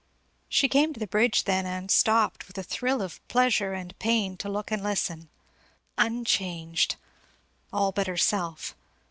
She came to the bridge then, and stopped with a thrill of pleasure and pain to look and listen, Unchanged! all but herself.